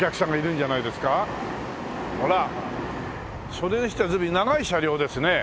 それにしては随分長い車両ですね。